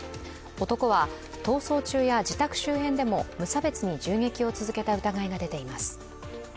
男は逃走中や自宅周辺でも無差別に銃撃を続けた疑いが出ています。